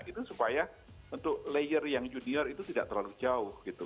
itu supaya untuk layer yang junior itu tidak terlalu jauh gitu